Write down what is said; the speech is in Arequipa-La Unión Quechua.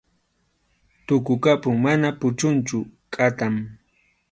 Tukukapun, mana puchunchu, kʼatam.